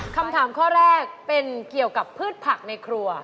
คำถามข้อแรกเป็นเกี่ยวกับพืชผักในครัว